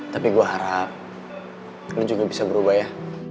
tapi gue harap lu juga bisa berubah ya